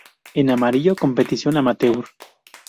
En amarillo: competición amateur.